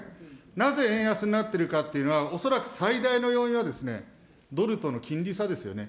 なぜ円安になってるかというのは、恐らく最大の要因はですね、ドルとの金利差ですよね。